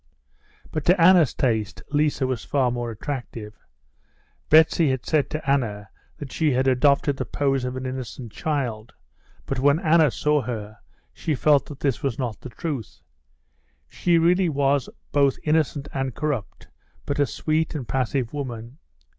But to Anna's taste Liza was far more attractive. Betsy had said to Anna that she had adopted the pose of an innocent child, but when Anna saw her, she felt that this was not the truth. She really was both innocent and corrupt, but a sweet and passive woman.